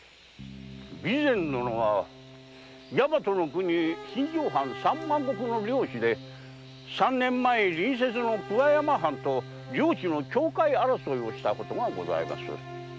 備前殿は大和国・新庄藩三万石の領主で三年前隣接の桑山藩と領地の境界争いをしたことがございます。